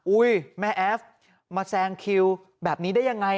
แม่แอฟมาแซงคิวแบบนี้ได้ยังไง